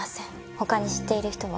他に知っている人は？